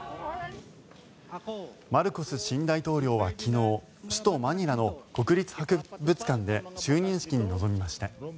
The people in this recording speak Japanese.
マルコス新大統領は昨日首都マニラの国立博物館で就任式に臨みました。